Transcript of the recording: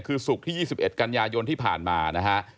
คือศุกร์ที่๒๑กันยายนที่ผ่านมานะฮะ